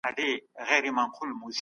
سياست د ژوند په ټولو برخو اغېز لري.